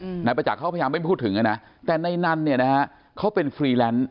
นายประจักษ์เขาพยายามไม่พูดถึงอ่ะนะแต่นายนันเนี่ยนะฮะเขาเป็นฟรีแลนซ์